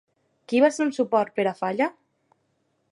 Qui va ser un suport per a Falla?